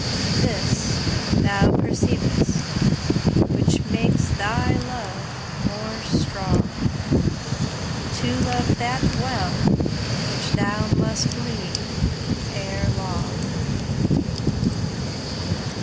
This thou perceiv'st, which makes thy love more strong, To love that well, which thou must leave ere long.